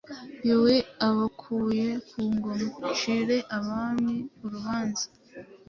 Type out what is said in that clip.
Yuhi abakuye ku ngoma. Ncire abami urubanza,